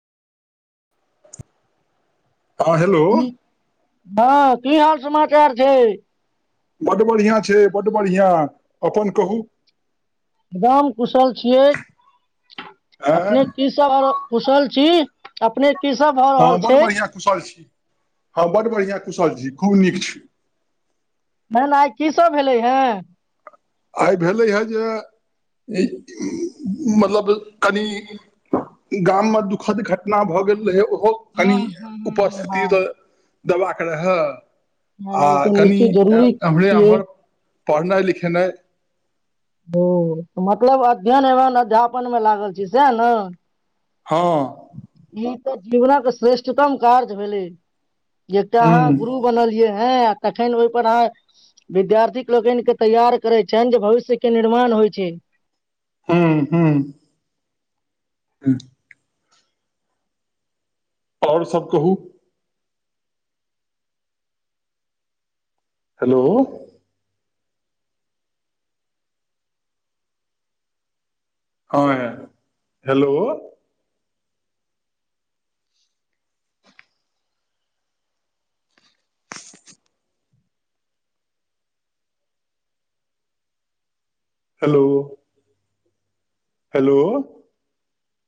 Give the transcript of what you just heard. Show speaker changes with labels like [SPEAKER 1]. [SPEAKER 1] हँ हेलो
[SPEAKER 2] की हँ की हाल समाचार छै
[SPEAKER 1] बड्ड बढ़ियाँ छै बड्ड बढ़ियाँ अपन कहू
[SPEAKER 2] एकदम कुशल छियै
[SPEAKER 1] आँय
[SPEAKER 2] अपनेक की सब आरो कुशल छी अपने की सब भऽ रहल
[SPEAKER 1] हँ बड्ड
[SPEAKER 2] छै
[SPEAKER 1] बढ़ियाँ कुशल छी हँ बड्ड बढ़िआँ कुशल छी खूब नीक छी
[SPEAKER 2] मेन आइ की सभ भेलै है
[SPEAKER 1] आइ भेलै हए जे इ मतलब कनि गाममे दुःखद घटना भऽ गेल रहै ओहो कनि
[SPEAKER 2] हँ हँ हँ हँ
[SPEAKER 1] उपस्थिति
[SPEAKER 2] हँ
[SPEAKER 1] तऽ देबाक रहए
[SPEAKER 2] नहि
[SPEAKER 1] आ
[SPEAKER 2] नहि, ई तऽ
[SPEAKER 1] कनि
[SPEAKER 2] निश्चित जरूरी
[SPEAKER 1] एम्हरे
[SPEAKER 2] छियै
[SPEAKER 1] आम्हर पढ़नाइ लिखेनाइ
[SPEAKER 2] ओ मतलब अध्ययन एवं अध्यापनमे लागल छी सएह ने
[SPEAKER 1] हँ
[SPEAKER 2] ई तऽ जीवनक के श्रेष्ठतम कार्य भेले एकटा अहाँ
[SPEAKER 1] ह्म
[SPEAKER 2] गुरु बनलिये हँ आ तखन ओहिपर आहां विद्यार्थीक लोकने तैयार करै छनि जे भविष्यके निर्माण होइ छै
[SPEAKER 1] हँ हँ हँ आओर सभ कहू हेलो हँ हेलो हेलो हेलो